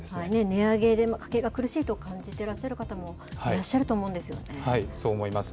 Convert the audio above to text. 値上げで家計が苦しいと感じてらっしゃる方も、いらっしゃるそう思います。